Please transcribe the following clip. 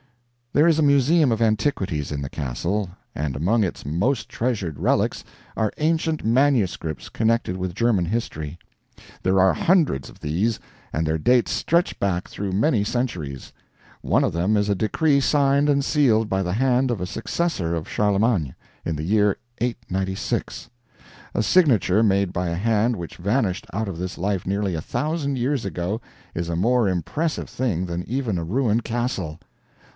There is a museum of antiquities in the Castle, and among its most treasured relics are ancient manuscripts connected with German history. There are hundreds of these, and their dates stretch back through many centuries. One of them is a decree signed and sealed by the hand of a successor of Charlemagne, in the year 896. A signature made by a hand which vanished out of this life near a thousand years ago, is a more impressive thing than even a ruined castle.